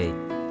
ba trùng rượu